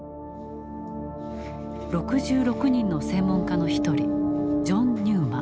６６人の専門家の一人ジョン・ニューマン。